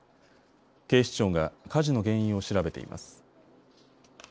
警視庁が火事の原因を調べています。